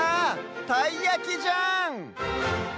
たいやきじゃん！